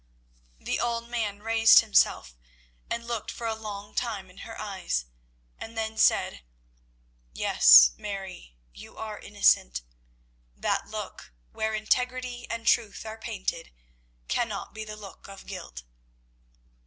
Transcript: The old man raised himself and looked for a long time in her eyes, and then said "Yes, Mary, you are innocent. That look, where integrity and truth are painted, cannot be the look of guilt."